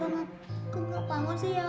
ah abang kok gak bangun sih ya